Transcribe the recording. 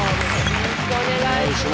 よろしくお願いします